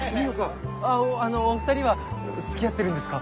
あのお２人は付き合ってるんですか？